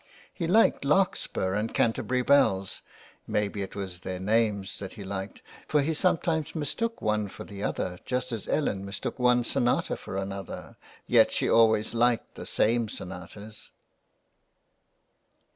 He liked Larkspur and Canterbury bells, may be it was their names that he liked, for he sometimes mistook one for the other just as Ellen mistook one sonata for another, yet she always liked the same sonatas.